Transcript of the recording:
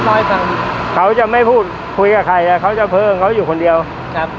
เล่าให้ฟังเขาจะไม่พูดคุยกับใครอ่ะเขาจะเพิ่มเขาอยู่คนเดียวครับ